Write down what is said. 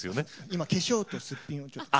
今化粧とすっぴんをちょっと。